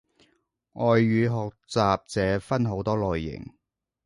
外語學習者分好多類型